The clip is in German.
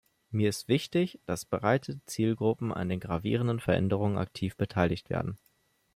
Mir ist wichtig, dass breite Zielgruppen an den gravierenden Veränderungen aktiv beteiligt werden.